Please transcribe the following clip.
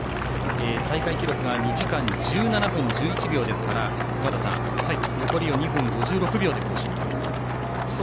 大会記録が２時間１７分１１秒ですから尾方さん、残りを２分５６秒で更新という。